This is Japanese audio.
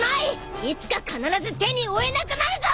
いつか必ず手に負えなくなるぞ！